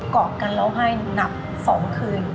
เกาะกันเราให้หนับ๒คืน